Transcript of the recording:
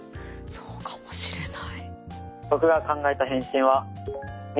そうかもしれない。